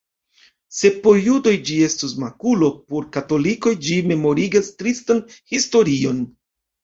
Se por judoj ĝi estus makulo, por katolikoj ĝi memorigas tristan historion.